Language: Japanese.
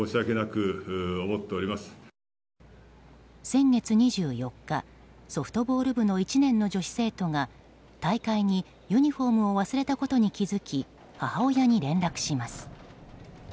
先月２４日、ソフトボール部の１年の女子生徒が大会にユニホームを忘れたことに気づき母親に連絡します。